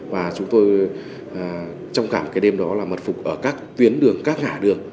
và chúng tôi trong cả đêm đó mật phục ở các tuyến đường các ngã đường